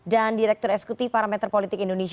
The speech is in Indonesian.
dan direktur eksekutif parameter politik indonesia